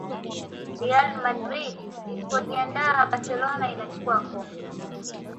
real madrid isipojiandaa barcelona inachukua kombe